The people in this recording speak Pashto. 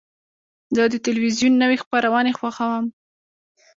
زه د تلویزیون نوی خپرونې خوښوم.